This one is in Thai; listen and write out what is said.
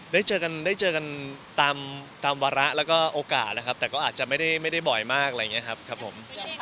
ได้เจอกันตามวาระแล้วก็โอกาสนะครับแต่ก็อาจจะไม่ได้บ่อยมากอะไรอย่างนี้ครับครับผม